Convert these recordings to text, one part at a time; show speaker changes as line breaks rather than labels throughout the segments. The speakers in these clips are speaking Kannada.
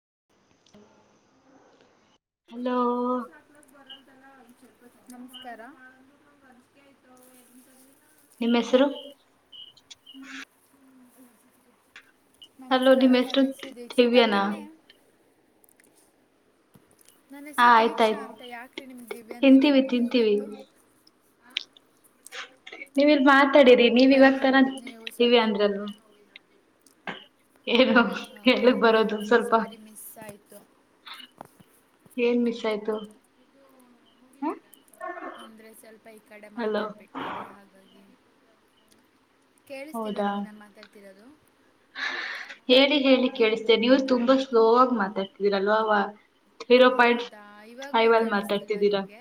ಹ [inaudible]
ನ ಗೋಳ ಸಾಾರ್ಥಲಕ್ ವರ್ಂ ತಲ ಅಂಚ [unintelligible] ನಮಸ್ಕಾರ
ನಿಮ್ಮ
ದಿವ್ಯಾ
ಹೆಸರು ಹಲೋ
ನಮಸ್ಕಾರ
ನಿಮ್ಮ್ ಹೆಸರು
ನನ್ನೆ ಶ್ರೀ ದೀಕ್ಷಂತ
ದಿವ್ಯನಾ ಹ
ತಿನ್ನೆ ನನ್ನ ಹೆಸರು ದೀಕ್ಷಾ
ಆಯ್ತಾಯ್ತು
ಅಂತ ಯಾಕ್ರೀ ನಿಮಗ್ ದಿವ್ಯಾಂದೇನೇ
ತಿಂತೀವಿ
ಅನ್ಪು
ತಿಂತೀವಿ
ಮೂರ್ವತ್ತು
ನೀವು ಇಲ್ ಮಾತಾಡಿರಿ ನೀವ ಇವಾಗ
ಬನ್ನಿ
ತರ
ನೀವು
ಇವ
ಸ್ವಲ್ಪ
ಅಂದ್ರಲ್ ಹೇಳಗ್
ಹೌದಾ
ಬರೋದು ಸ್ವಲ್ಪ
ಸಾರಿ ಮಿಸ್ ಆಯ್ತು
ಏನ್ ಮಿಸ್ ಆಯ್ತು ಹ
ಅಂದ್ರೆ ಸ್ವಲ್ಪ ಈ ಕಡೆ ಮಾತಾಡ್ಬಿಟ್ಟೇರಿ ಹಾಗಾಗಿ ಕೇಳಿಸ್ತಿಲ್ವಾ
ಹೌದಾ
ನಿಮ್ಗೆ ನಾನು ಮಾತಾಡ್ತಿರೋದು
ಹೇಳಿ ಹೇಳಿ ಕೇಳಿಸ್ತೇ ನೀವು ತುಂಬಾ ಸ್ಲೋ ಆ ಮಾತಾಡ್ತಿದೀರಲ್ವವಾ
ಹೌದಾ ಇವಾಗೂ ಕೇಳಿಸ್ತಿಲ್ವಾ
ಮಾತಾಡ್ತಿದ್ದೀರಾ
ನಿಮ್ಗೆ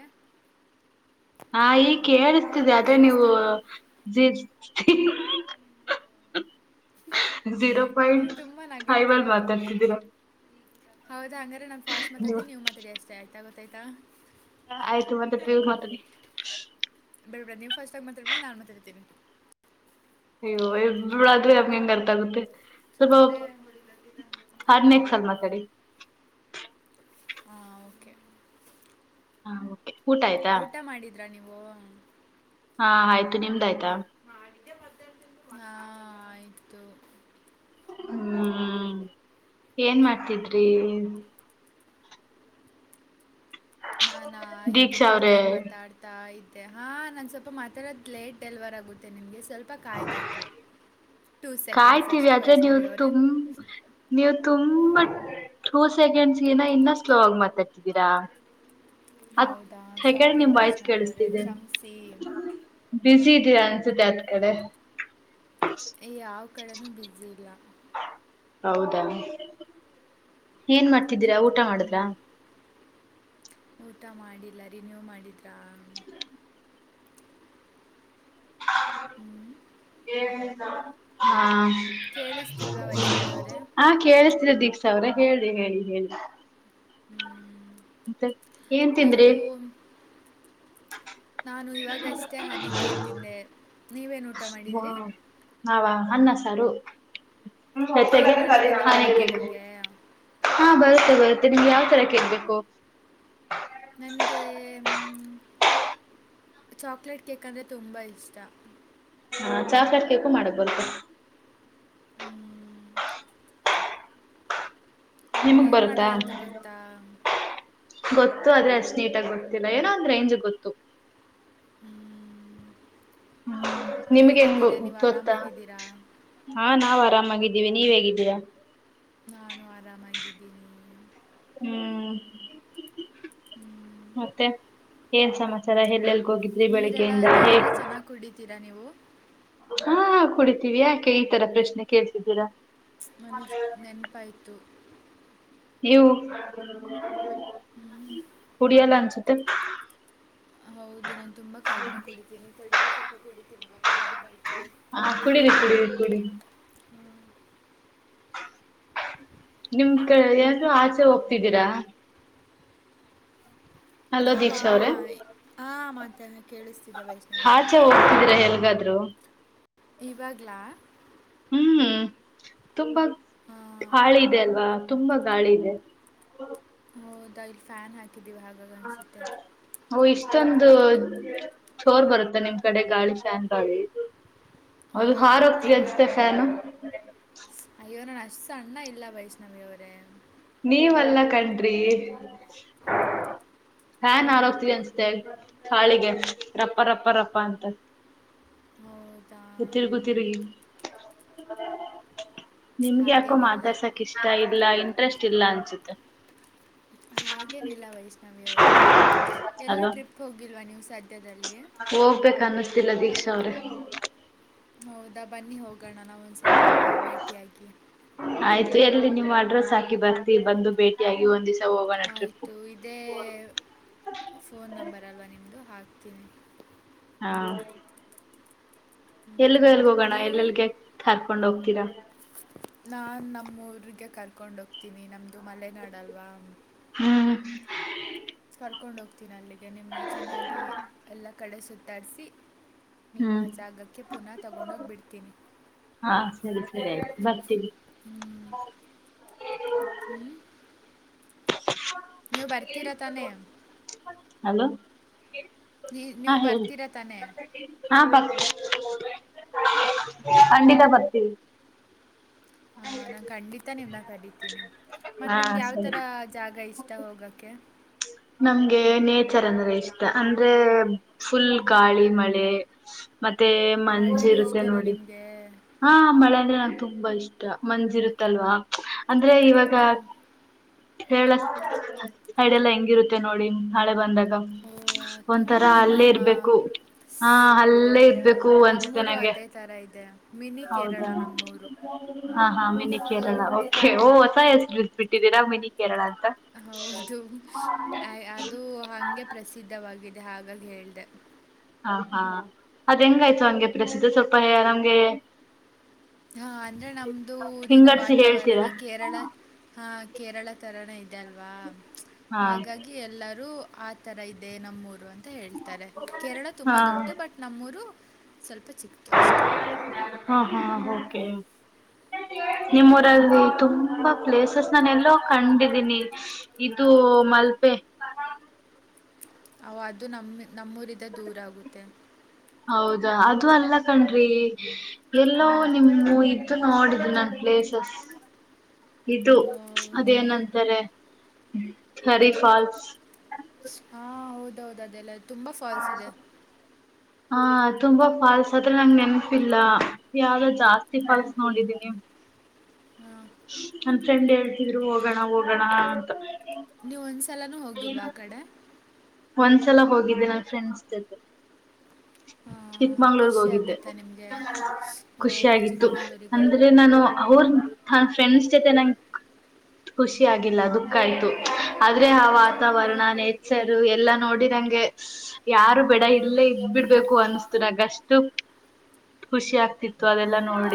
ಹಾ ಈಕ ಹೇಳ್ತಿದೆ ಅದ ನೀವು
ಕೇಳಿಸ್ತಿಲ್ವಾ
ಜೀರೋ
ನೀವು
ಪಾಯಿಂಟ್
ತುಂಬ
ಫೈವ್ ಅಲ್ಲಿ
ನಗಾಡ್ತಿದ್ದೀರಾ
ಮಾತಾಡ್ತಿದ್ದೀರಾ
ಹೌದಾ ಹಂಗ್ರೆ ನಾನ್ ಫಾಸ್ಟ್ ಮಾತಾಡ್ತೀ
ನೀವು
ನೀವ್ ಮಾತಾಡಿ ಅಷ್ಟೇ ಆಯ್ತಾ ಗೊತ್ತಾಯ್ತಾ
ಆಯ್ತು ಮತ್ತೆ ಪ ಮಾತಿ
ಬಿಬಿಡ ನೀವು್ ಫಸ್ಟ್ ಆಗಿ ಮಾತ್ತಾಬಿಲ್ಲ ನಾನು ಮಾತಾ ಇಡ್ತೀನಿ
ಅಯ್ಯೋ ಇಬಳಾದ್ರೆ ನಮ್ಗೆ ಹೆಂಗ್ ಅರ್ಥ ಆಗುತ್ತೆ ಸ್ವಲ್ಪ ಹರ್ನಕ್ ಸಲ್ ಮಾತಾಡಿ
ಹಾ ಕೆ
ಹಾ ಕೆ ಊಟ ಆಯ್ತಾ
ನೀವು
ಹಾ ಆಯ್ತು ನಿಮ್ದ ಆಯ್ತಾ
ಹಾ ಆಯ್ತು
ಹ್ಮ್ ಏನ್ ಮಾಡ್ತಿದ್ರಿ
ನಾನಾ ಹೀಗೆ
ದೀಕ್ಷಾ ಅವ್ರೇ
ಕುೂತ್ಕೊಂಡು ಮಾತಾಡ್ತಾ ಇದ ಮ ಹಾಂ ನಾನು ಸ್ವಲ್ಪ ಮಾತಾಡೋದು ಲೇಟ್ ಡೆಲವರ್ ಆಗುತ್ತೆ ನಿಮಗೆ ಸ್ವಲ್ಪ ಕಾಯಬೇಕು ಟೂ ಸೆಕೆಂಡ್ಸ್
ಕಾಯ್ತೀವಿ
ಅಷ್ಟು
ಆದದ್ರೆ ನೀವು
ವೈಷ್ಣವಿ ಅವರೇ
ತುಂಬ ನೀವು ತುಂಬಾ ಟೂ ಸೆಕೆಂಡ್ಸ್ಗಿನ ಇನ್ನ ಸ್ಲೋ ಆಗಿ ಮಾತಾಡ್ತಿದ್ದೀರಾ ಹತ್
ಹೌದಾ
ಸೆಕೆಂಡ್
ಸಾರಿ
ನಿಮ್
ವೈಷ್ಣವಿವರ ಕ್ಷಮಸೀ
ಬಸಿ ಇದೀರಾ ಅನ್ಸುತ್ತೆ ಅತ್ ಕಡೆ
ಯಾವ್ ಕಡೆನುೂ ಬುಸಿ ಇಲ್ಲ
ಹೌದ ಏನ್ ಮಾಡ್ತಿದ್ದೀರಾ ಊಟ ಮಾಡುದ್ರ
ಹ್ಮ್. ಊಟ ಮಾಡಿಲ್ಲ ರಿನ್ಯೂ ಮಾಡಿದ್ರಾ
ಹ [inaudible]
ಹ್ಞೂ
ಹಾ
ಕೇಳಿಸ್ತಿಲ್ವಾ ವೈಷ್ಣವಿ ಅವರೇ
ಹಾ ಕೇಳಿಸ್ತೀರ ದೀಕ್ಷಾ ಅವ್ರೆ ಹೇಳಿ ಹೇಳಿ ಹೇಳಿ
ಹ್ಮ್ [inaudible]
ಮತೇ ಏನ್ ತಿಂದ್ರಿ
ನಾನು ಇವಾಗಷ್ಟೇ ಹಾನಿಕಕ್ ತಿಂದೆ ನೀವೇನು ಊಟ ಮಾಡಿದಿರಿ
ನಾಹವಾ ಅನ್ನ ಸಾರು ಹ
ಕೇಕ್ ಮಾಡೋಕ್ಕೆಲ್ಲ ಬರುತ್ತಾ ನಿಮಗೆ
ಹಾ ಬಸ್ ತ್ತೆ ನಿಮ್ಗೆ ಯಾವ್ ತರ ಕೇಳ್ಬೇಕು
ನನ್ಗೆ ಚಾಕ್ಲೇಟ್ ಕೇಕ್ ಅಂದ್ರೆ ತುಂಬಾ ಇಷ್ಟ
ಹಾ ಚಾಕ್ಲೇಟ್ ಕೇಕು ಮಾಡಕ್ ಬರ್ತು
ಹ್ಮ್
ನಿಮಗ್
ಹೆಂಗೆ
ಬರುತ್ತಾ
ಮಾಡೋದಂತ ಗೊತ್ತಾ
ಗೊತ್ತ ಗತ್ತು ಆದ್ರೆ ಅಷ್ಟು ನೀಟಾಗಿ ಗೊತ್ತಿಲ್ಲ ಏನೋ ಒಂದ್ ರೇಂಜ್ ಗೊತ್ತು
ಹ್ಮ್
ಹ ನಿಮ್ಗೆ ನ್
ನೀವು
ಗೊತ್ತಾ
ಆರಾಮಾಗಿದ್ದೀರಾ
ಹಾ ನಾವವು ಆರಾಮಾಗಿ ವಿ ನೀವ್ ಹೇಗಿದ್ದೀರಾ
ನಾನು ಆರಾಮಾಗಿದ್ದೀನಿ
ಹ್ಮ್
ಮ್,
ಮತ್ತೆ ಏನ್ ಸಮಾಚಾರ ಎಲ್ಲೆಲ್ಲ
ನೀರೆಲ್ಲಾ ನೀರೆಲ್ಲಾ ಚೆನ್ನಾಗ್ ಕುಡಿತೀರಾ ನೀವು
ಹಾ ಕುಡಿತೀವಿ ಯಾಕೆ ಈ ತರ ಪ್ರಶ್ನೆ ಕೇಳ್ಸಿದ್ದೀರಾ
ನಮಗ್ ನೆನಪಾಯತು
ಇವು ಕುಡಿಯಲ್ಲ ಅನ್ಸುತ್ತೆ
ಹೌದು ನಾನ್ ತುಂಬಾ ಕಡಿಮೆ ಕುಡಿತೀನಿ ತಡಿದು ಸ್ವಲ್ಪ ಕುಡಿತೀನಿ ಇವಾಗ ನೆನಪಾಯಿತು
ಹಾ ಕುಡರಿ ಕುಡರಿ ಕುಡಿರಿ ನಿಮ್ ಕ ಯಏಾದೂ ಆಚೆ ಹೋಗ್ತಿದ್ದೀರಾ ಹಲೋ
ನಾವ
ದೀಕ್ಷಾ
ಹ ಮಾತಾಡ ಕೇಳಿಸ್ತಿದ್ದೆ ವೈಷ್ಣವರೇ
ಆಾಚೆ ಹೋಗ್ತಿದೀರಾ ಎಲ್ಗಾದ್ರು
ಇವಾಗಲ
ಹ್ಮ್ ತುಂಬಾ ಹಾಳಿ ಇದೆ ಅಲ್ವಾ ತುಂಬಾ ಗಾಳಿ ಇದೆ
ಹೌದಾ ಇಲ್ ಫ್ಯಾನ್ ಹಾಕಿದ್ದೀವಿ ಹಾಗ ಅನ್ಸುತ್ತೆ
ಅಷ್ಟೊಂದು ಚೋರ್ ಬರುತ್ತೆ ನಿಮ್ ಕಡೆ ಗಾಳಿ ಶ್ಯಾನ್ ಗಾಳಿ ಅ ಹಾರ ಹೋಗ್ತ
ಹೌದು
ಅಸತೆ ನ
ಅಯ್ಯೋ ನಾನು ಸಣ್ಣ ಇಲ್ಲ ಬೈಷ್ಣವಿಯ ಅವರೇ
ನೀವಲ್ಲಾ ಕಣ್ರಿ ಹಾ ನಾ
ಹ್ಞೂ
ಆರೋಗ್ತೀವಿ ಅನ್ಸುತ್ತೆ ಹಾಳಿಗೆ ರಪ್ಪ ರಪ್ಪ ರಪ್ಪ ಅಂತ
ಹೌದಾ
ಎತ್ತರಿ ಗೊತ್ತರಿಗ ನಿಮ್ಗೆ ಯಾಕೋ
ಹಾಗೇನಿಲ್ಲ
ಮಾತಡ್ಸಕ್ ಇಷ್ಟ ಇಲ್ಲ ಇಂಟ್ರೆಸ್ಟ್ ಇಲ್ಲ ಅನ್ಸುತ್ತೆ
ಹಾಗೇನಿಲ್ಲ ವೈಷ್ಣವಿಯವರ ಎಲ್ಲೂ
ಅಲ್ವಾ
ಟ್ರಿಪ್ ಹೋಗಿಲ್ವಾ ನೀವು್ ಸಜ
ಹೋಗ್ಬೇಕ ಅನ್ನಸ್ತಿಲ್ಲ ದೀಕ್ಷಾ ಅವ್ರೆ
ಹೌದಾ ಬನ್ನಿ ಹೋಗೋಣ ನಾ ಒಂದ್ಸಲ ಭೇಟಿಯಾಗಿ
ಆಯ್ತು ಎಲ್ಲಿ ನಿಮ್ಮ್ ಅಡ್ರೆಸ್ ಹಾಕಿ ಬರ್ತಿ ಬಂದು ಭೇಟಿಯಗಿ ಒಂದ್ವ್
ಆಯಿತು ಇದೇ ಫೋನ್ ನಂಬರ್ ಅಲ್ವಾ ನಿಮ್ಮದು ಹಾಕ ಇನೇ
ಹಾ ಎಲ್ಗ ಎಲ್ಗ ಹೋಗೋಣ
ನೀವು
ಎಲ್ಲೆಲ್ಗೆ ಹರ್ಕೊಂಡ್ ಹೋಗ್ತೀರಾ
ನಾನ್ ನಮ್ಮ ಗೆ ಕರ್ಕೊಂಡ ಹೋಗ್ತೀನಿ ನಮ ಇು ಮಲೆನಾಡಲ್ವಾ
ಹ್ಮ್
ಕರ್ಕೊಂಡ ಹೋಗ್ತೀನಿ ಅಲ್ಲಿಗೆ ನಿಮ್ಮನ್ನ ಚೆನ್ನಾಗಿ ಎಲ್ಲ ಕಡೆ ಸುತ್ತಾಡಿಸಿ ನಿಮ್ಮ
ಹ್ಮ್
ಜಾಗಕ್ಕೆ ಪುನಃ ತಗೊಂಡೋಗಿಬ ಬಿಡ್ತೀನಿ
ಹಾ ಸರಿ ಸರಿ ಆಯ್ತು ಬರ್ತೀವಿ
ಹ್ಮ್ ನೀವು ಬರ್ತೀರಾ ತಾನೇ
ಹಲೋ ಹ
ನೀವು
ಹೇಳಿ
ಬರ್ತೀರಾ ತಾನೇ
ಹ ಪಂಡಿತಾ ಬರ್ತೀವಿ
ಹ ನಾನ್ ಖಂಡಿತ ನಿವ್ನ ಕರಿತೀನಿ ಮತ್ತ್
ಹಾ
ನಿಮ್ಗೆ ಯಾವ್ ತರ
ಸರಿ
ಜಾಗ ಇಷ್ ನಾ ಹೋಗಕ್ಕೆ
ನಮ್ಗೆ ನೇಚರ್ ಅಂದ್ರೆ ಇಷ್ಟ ಅಂದ್ರೆ ಫುಲ್ ಗಾಳಿ ಮಳೆ ಮತ್ತೆ ಮಂಜು
ಮಳೆನೂ
ಇರುತ್ತೆ
ಇಷ್ಟನಾ
ನೋಡಿ
ನಿಮಗೆ
ಹಾ ಮಳೆ ಅಂದ್ರೆ ತುಂಬಾ ಇಷ್ಟ ಮಂಜಿ ಇರುತ್ತಲ್ವಾ ಅಂದ್ರೆ ಇವಾಗ
ಹ್ಞೂ
ಹೇಳೇಅಡೆಲ್ಲಾ ಹೆಂಗಿರುತ್ತೆ ನೋಡಿ ನಾಳೆ ಬಂದಾಗ
ಓ ಆ ಥರ
ಒಂಥರ
ಹಿಮ
ಅಲ್ಲೇ
ಹಿಮ
ಇರ್ಬೇಕು ಹಾ
ಆ,
ಅಲ್ಲೇ ಇದಬೇಕು ಅನ್ಸತೆೆ
ನಮ್ಮೂರು
ನಂಗೆ
ಅದೇ ಥರ ಇದೆ ಮಿನಿ ಕೇರಳ
ಹೌದಾ
ನಮ್ಮೂರು ಹ್ಮ್.
ಹಾ ಹಾ ಮೇಲೆ ಕೇರಳ ಹ ಹೊಸ ಹೆಸರು ಇಟ್ಟು ಬಿಟ್ಟಿದ್ದೀರಾ ಮನಿ ಕೇರಳ
ಹೌದು ಅದು ಹಂಗೆ ಪ್ರಸಿದ್ಧವಾಗಿದೆ ಆಗ ಹೇಳ್ದೆ
ಹ ಹಾ ಅದ್ ಹೆಂಗಾಯ್ತು ಹಂಗೆ ಪ್ರಸಿದ್ಧ ಸ್ವಲ್ಪ ನಮ್ಗೆ
ಹಾ ಅಂದ್ರೆ ನಮ್ದೂ ದಿನ
ಹಿಂಗಟ್ಸಿ
ವಾತಾವರಣ
ಹೇಳ್ತೀರಾ
ಕೇರಳ ಹಾ ಕೇರಳ ತರನ ಇದೆ ಅಲ್ವಾ
ಹಾ
ಹಾಗಾಗಿ ಎಲ್ಲರೂ ಆ ತರ ಇದೆ ನಮ್ಮೂರು ಅಂತ ಹೇಳ್ತಾರೆ ಕೇರಳ
ಹಾ
ತುಂಬಾ ದೊಡ್ಡದು ಬಟ್ ನಮ್ಮೂರು ಸ್ವಲ್ಪ ಚಿಕ್ಕದು ಅಷ್ಟೆ
ಹಾ ಹಾ ಓಕೆ ನಿಮ್ಮೂರಲ್ಲಿ ತುಂಬಾ ಪ್ಲೇಸಸ್ ನಾನೆಲ್ಲೋ ಕಂಡಿದೀನಿ ಇದು ಮಲ್ಬೆ
ಅದು ನಮ್ಮ ನಮ್ಮೂರಿಂದ ದೂರಾಗುತ್ತೆ
ಹೌದಾ ಅದು ಅಲ್ಲ ಕಣ್ರಿ ಎಲ್ಲೋ
ಹ್ಞೂ
ನಿಮ್ಮ ಇದ್ದು ನೋಡ ನನ್ ಪ್ಲೇಸಸ್ಇದು
ಹೌದಾ
ಅದೇನಂತಾರೆ ಹರಿಫಾಲ್ಸ್
ಹಾ ಹೌದೌದು ಅದೆಲ್ಲ ತುಂಬಾ ಫಾಲ್ಸ್ ಇದೆ
ಹಾ ತುಂಬಾ ಫಾಲ್ಸ್ತ್ರ ಹತ್ರ ನನಗೆ ನೆನಪಿಲ್ಲ ಯಾವ್ದಾದ ಜಾಸ್ತಿ
ಹ್ಮ್.
ಫಾಲ್ಸನೋಡಿದೀನಿ
ಹಾಂ
ಫ್ರೆಂಡ್ ಹೇಳ್ತಿದ್ರು ಹೋಗೋಣ ಹೋಗೋಣ ಅಂತ
ನೀವು ಒಂದ್ಸಲನೂ ಹೋಗಿಲ್ವಾ ಆ ಕಡೆ
ಒಂದ್ಸಲ ಹೋಗಿದ್ದೆ ನನ್ ಫ್ರೆಂಡ್ಸ್ ಜೊತೆ
ಆ, ಖುಷಿ
ಚಿಕ್ಕಮಂಗಳೂರುಹೋಗಿದ್ದೆ
ಆಗಿತ್ತಾ ನಿಮಗೆ ಓ
ಖುಷಿ ಆಗಿತ್ತು
ಚಿಕ್ಕಮಂಗ್ಳೂರಿಗ
ಅಂದ್ರೆ ನಾನು ಅವ್ರ ಹಫ್ರೆಂಡ್ಸ್ ಜೊತೆ ನಂಗೆ ಖುಷಿ ಆಗಿಲ್ಲ ದುಃಖ ಆಯ್ತು ಆದ್ರೆ ಆ
ಓ
ನವರಣ ನೇಚರ್ ಎಲ್ಲಾ ನೋಡಿ ನಂಗೆ ಯಾರು ಬೇಡ ಇಲ್ಲೇ ಇದ್ ಬಿಡ್ಬೇಕು ಅನ್ನಿಸ್ತಿದೆ ನಗಷ್ಟು ಖುಷಿಯ.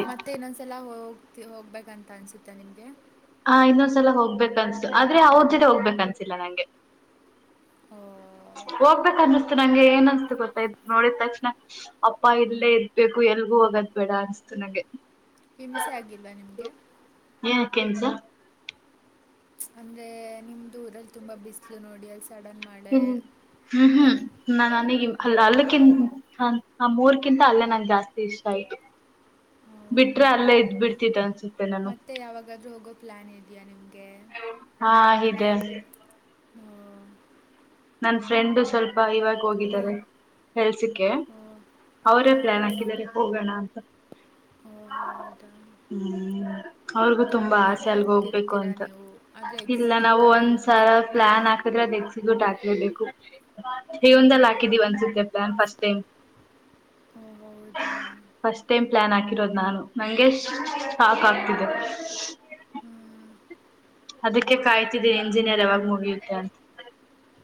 ಮತ್ತೆ ಇನ್ನೊಂದ್ಸಲ ಹೋಗ್ ಹೋಗ್ಬೇಕಂತ ಅನ್ಸತ್ತ ನಿಮ್ಗೆ
ಹ ಇನ್ನೊಂದ್ಸಲ ಹೋಗ್ಬೇಕ ಅನ್ತು ಆದ್ರೆ ಅವ್ರ ಜೊತೆ ಹೋಗ್ಬೇಕ ಅನ್ಸಿಲ್ಲ ನಂಗೆ
ಓ
ಹೋಗ್ಬೇಕನ್ನ ಮ ನಂಗೆ ಏನ್ ಅನ್ಸ್ತು ಗೊತ್ತ ನೋಡಿದ್ ತಕ್ಷಣ ಅಪ್ಪ ಇಲ್ಲೇ ಇರಬೇಕುಎಲ್ಗೂ ಹೋಗೋದ ಬೇಡ ಅನ್ ನಗೆ
ಹಿಂಸೆ ಆಗಿಲ್ವಾ ನಿಮ್ಗೆ
ಕೆಂಶ
ಅಂದ್ರೆ ನಿಮ್ದು ಊರಲ್ಲಿ ತುಂಬಾ ಬಿಸ್ಲು ನೋಡಿ ಅಲ್
ಹ ಹ್ಮ್ ಹ್ಮ್ ನನಗೆ ಅಲ್ಲ
ಹ್ಞೂ
ಅಲ್ಲಕ್ಕಿನ್ ಆ ಮೂರ್ಕಿಂತ ಅಲ್ಲೇ ನಂಗೆ ಜಾಸ್ತಿ ಇಷ್ಟ ಆಯ್ತು ಬಿಟ್ರೆ
ಹೌದಾ
ಅಲ್ಲೇ ಇದ್
ಮ-
ಬಿಡ್ತತ್ತು ಅನ್ಸ
ಮತ್ತೆ ಯಾವಾಗಾದ್ರೂ ಹೋಗೋ ಪ್ಲಾನ್ ಇದ್ಯಾ ನಿಮ್ಗೆ
ಹಾ ಇದೆ
ಹ್ಮ
ನನ್ ಫ್ರೆಂಡ್ ಸ್ವಲ್ಪ ಇವಾಗ ಹೋಗಿದ್ದಾರೆ ಕೆಲ್ಸಕ್ಕೆ
ಓ
ಅವರೇ
ಹಾಂ
ಪ್ಲಾನ್ ಹಾಕಿದ್ದಾರೆ ಹೋಗೋಣ ಅಂತ
ಓ
ಹಾ.
ಹೌದಾ
ಹೌದು
ತುಂಬ
ತುಂಬಾ
ಪ್ಲ್ಯಾನ್
ಆಸೆ ಅಲ್ಗ ಹೋಗ್ಬೇಕು
ಹಾಕ್ತಿರ್ತೀರ
ಅಂತ
ನೀವು ಆದರೆ
ಇಲ್ಲ ನಾವು
ಎಕ್ಸಿಕ್ಯೂಟ್ ಆಗಲ್ಲ
ಒಂದ್ಸ
ಅನ್ಸುತ್ತೆ
[unintelligible] ಹದ ಎಕ್ಸಿಬಟ್ಟು ಹಾಕೇಬೇಕು ಹೇಗ ಜೀವನದಲ್ಲಿ
ಹ್ಮ್.
ಹಾಕಿದ್ದೀವಲ್ಲ ಪ್ಲಾನ್ ಫಸ್ಟ್ [unintelligible]
ಹಾ ಹೌದಾ
ಇರೋದು್ ನಾನು ನಂಗೆ ಸಾಕ್ ಆಗ್ತಿದೆೆ
ಹ್ಮ್
ಅದಕ್ಕೆ ಕಾಯ್ತಿದ್ದೀನಿ ಎಂಜಿನಿಯರ್ ಯಾವಾಗ ಮುಗಿಯುತ್ತೆ ಅಂತ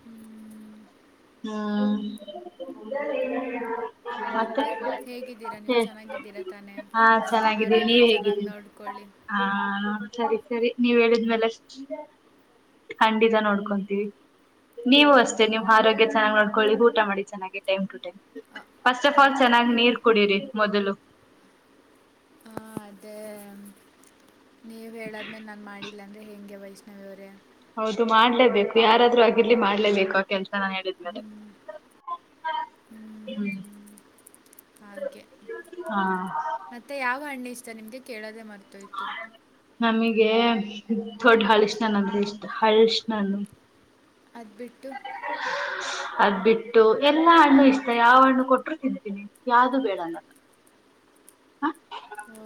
ಹ್ಮ್.
ಹ
ಮತ್ತೆ ಹೇಗಿದ್ದೀರಾ ನೀವು ಚೆನ್ನಾಗಿದ್ದೀರಾ ತಾನೆ
ಹಾ ಚೆನ್ನಾಗಿದ್ದೀವಿ
ಆರೋಗ್ಯ
ನೀವ್
ಚೆನ್ನಾಗಿ
ಹೇಗಿದ್ದೀರಿ
ನೋಡ್ಕೊಳ್ಳಿ
ಹಾ ಸರಿ ಸರಿ ನೀವ್ ಹೇಳಿದ್ಮೇಲೆ ಖಂಡಿತ ನೋಡ್ಕೊಂತೀವಿ ನೀವು ಅಷ್ಟೇ ನಿಮ್ಮ್
ಹಾಂ
ಆರೋಗ್ಯ ಚೆನ್ನಾಗಿ ನೋಡ್ಕೊಳ್ಳಿ ಊಟ ಮಾಡಿ ಚನ್ನಾಗಿ time to time first of all
okay
ಚೆನ್ನಾಗ್
ನೀವು
ನೀರ್ ಕುಡೀರಿ ಮೊದಲು
ಹಾ ಅದೇ ನೀವ್ ಹೇಳಾದ್ಮೇಲೆ ನನ್ ಮಾಡಿದ ಇಲ್ಲಾಂದರೆ ಹೆಂಗೆ ವೈಷ್ಣವಿಯವರೇ
ಹೌದು ಮಾಡ್ಲೇಬೇಕು ಯಾರಾದ್ೂ ಆಗಿರ್ಲಿ ಮಾಡ್ಲೇಬೇಕು ಆ ಕೆಲ್ಸನ ಹೇಳಿದ್ಮೇಲೆ
ಹ್ಞೂ
ಹ್ಮ
ಹ್ಞೂ ಹಾಗೆ ಮತ್ತೆ ಯಾವ ಹಣ್ಣಿ ಇಷ್ಟ ನಿಮ್ಗೆ ಕೇಳೋದೆೇ ಮರ್ತೋಯ್ತತ್ತು
ನಮಗೆ ದೊಡ್ ಹಲಸಿನ ಹಣ್ಣು ಅಂದ್ರೆ ಇಷ್ಟ ಹಳ್ಿಸ ನ್ಣು
ಅದ್ ಬಿಟ್ಟು
ಅದ್ಬ ಬಿಟ್ಟು ಎಲ್ಲಾ ಹಣ್ಣು ಇಷ್ಟ ಯಾವ ಹಣ್ಣು ಕೊಟ್ಟರು ತಿಂತೀನಿ ಯಾವ್ದು ಬೇಡ ಅನ್ನಲ್ಲ ಹ
ಓ,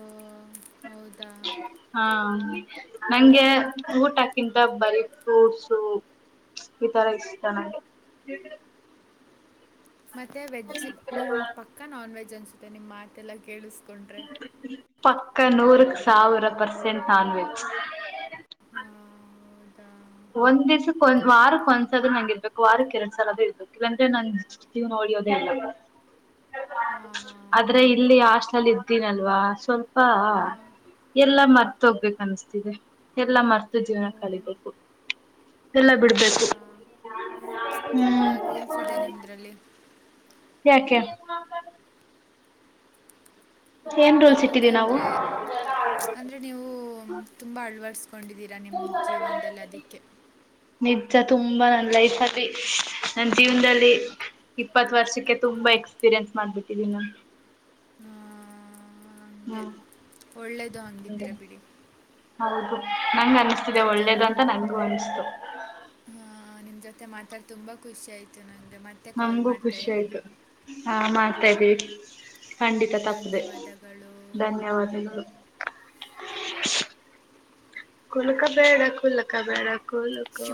ಹೌದಾ
ಹಾ ಹ ನಂಗೆ ಊಟಕ್ಕಿಂತ ಬರೀ ಫ್ರೂಟ್ಸು ಈ ತರ ಇಷ್ಟ ನಂಗೆ
ಮತ್ತು ವೆಜ್ ನಿಮ್ಮ ಪಕ್ಕ ನಾನ್ ವೆಜ್ ಅನಿಸುತ್ತೆ ನಿಮ್ಮ ಮಾತೆಲ್ಲ ಕೇಳಿಸ್ಕೊಂಡ್ರೆ
ಪಕ್ಕಾ ನೂರಕ್ ಸಾವಿರ ಪರ್ಸೆಂಟ್ ನಾನ್ವೆಜ್
ಆ, ಹೌದಾ
ಒಂದ್ ದಿವಸಕ್ಕೆ ಒಂದ್ ವಾರಕ್ ಒಂದ್ಸ್ರ ನಂ್ ಇರ್ಬೇಕು ವಾರಕ್ ಎರಡ್ ಸಾಲ ಆದ್ರ ಇರ್ಬೇಕು ಇಲ್ಲಾಂದ್ರೆ ನನ್ ಜೀವ ನೋ
ಹಾಂ
[unintelligible]
ಹಾಂ
ಆದ್ರೆ ಇಲ್ಲಿ
ಹೌದಾ
ಹಾಸ್ಟ್ಲಲ್ಲಿ ಇದ್ದೀನಲ್ವಾ ಸ್ವಲ್ಪ
ಹಾಂ
ಎಲ್ಲಾ ಮರ್ತ ಹೋಗ್ಬೇಕ ಅನ್ಸ್ತಿದೆ ಎಲ್ಲಾ ಮರ್ತು ಜೀವನ
ಹಾಂ
ಕಲಿಬೇಕು ಎಲ್ಲ ಬಿಡ್ಬೇಕು
ಹೌದಾ ತುಂಬ ರೂಲ್ಸ್ ಇದೆ ನಿಮ್ಮದ್ರಲ್ಲಿ
ಯಾಕೆ ಏನು ರೂಲ್ಸ್ ಇಟ್ಟಿದ್ದೀವಿ ನಾವು
ಯಾಕಂದರೆ ಅಂದರೆ ನೀವು ತುಂಬ ಅಳ್ವಡಿಸ್ಕೊಂಡಿದ್ದೀರಾ ನಿಮ್ಮ ಜೀವನದಲ್ಲಿ ಅದಕ್ಕೆ
ನಿಜ ತುಂಬಾ ನನ್ ಲೈಫ್ ಅತಿ ನನ್ ಜೀವನದಲ್ಲಿ ಇಪ್ಪತ್ತು ವರ್ಷಕ್ಕೆ ತುಂಬಾ ಇ ಎಕ್ಸ್ಪೀರಿಯನ್ಸ್ ಮಾಡ್ಬಿಟ್ಟಿದೀ ನಾನು
ಹ್ಮ
ಹ್ಮ್
ಒಳ್ಳೇದು
ಹಂಗೆ
ಹಂಗಿದ್ರೆ ಬಿಡಿ
ಹೌದು ನಂಗ ಅನಿಸ್ತಿದೆ ಒಳ್ಳೇದು ಅಂತ ನನ್ಗೂ ಅನ್ಿಸ್ತು
ಹಾ ನಿಮ್ ಜೊತೆ ಮಾತಾಡ್ ತುಂಬಾ ಖುಷಿ ಆಯ್ತು ನನ್ಗೆ
ನಮಗೂ ಖುಷಿ ಆಯ್ತು ಹ ಮಾತಾಡಿ ಖಂಡಿತ ತಪ್ಪದೆ
ಧನ್ಯವಾದಗಳು
ಧನ್ಯವಾದಗಳು ಕುಲಕ ಬೇಡ ಕುಲಕ ಬೇಡ ಕುಲುಕು